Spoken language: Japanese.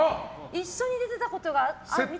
一緒に出てたことが。